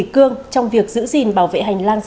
cho hơn hai năm trăm linh người dân